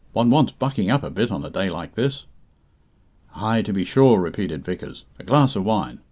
"One wants bucking up a bit on a day like this." "Ay, to be sure," repeated Vickers. "A glass of wine.